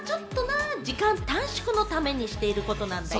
時間短縮のためにしていることなんだよ。